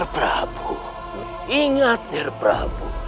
prabu ingat prabu